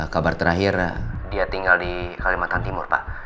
kabar terakhir dia tinggal di kalimantan timur pak